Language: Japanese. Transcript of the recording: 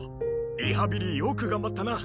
リハビリよく頑張ったな。